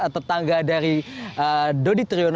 tetangga dari dodi triyono